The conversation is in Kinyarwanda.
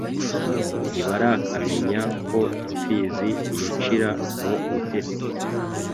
Ntibarakamenya ko imfizi Yicira mu butesi